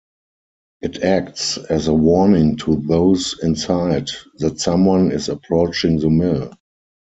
It acts as a warning to those inside that someone is approaching the mill.